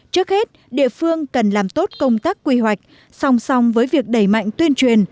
trước hết địa phương cần làm tốt công tác quy hoạch song song với việc đẩy mạnh tuyên truyền